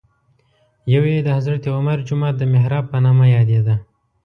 یو یې د حضرت عمر جومات د محراب په نامه یادېده.